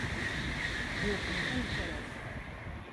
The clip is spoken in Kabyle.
Iwqem tamekrast.